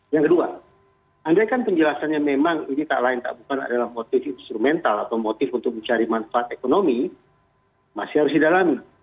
yang kedua andaikan penjelasannya memang ini tak lain tak bukan adalah motif instrumental atau motif untuk mencari manfaat ekonomi masih harus didalami